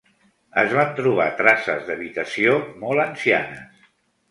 Es van trobar traces d'habitació molt ancianes.